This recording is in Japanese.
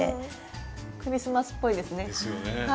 クリスマスっぽいですね。ですよね。